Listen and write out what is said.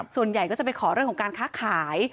ส่วนใหญ่ก็จะไปขอเรื่องของการค้าขาย